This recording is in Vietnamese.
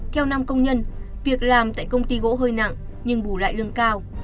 theo năm công nhân việc làm tại công ty gỗ hơi nặng nhưng bù lại lương cao